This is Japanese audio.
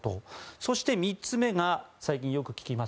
そして３つ目が最近よく聞きます